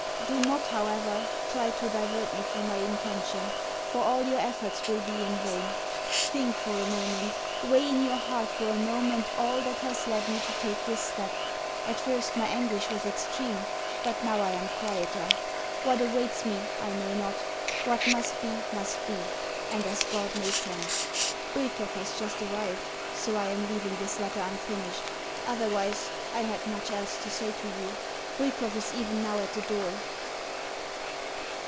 Do not, however, try to divert me from my intention, for all your efforts will be in vain. Think for a moment; weigh in your heart for a moment all that has led me to take this step. At first my anguish was extreme, but now I am quieter. What awaits me I know not. What must be must be, and as God may send.... Bwikov has just arrived, so I am leaving this letter unfinished. Otherwise I had much else to say to you. Bwikov is even now at the door!...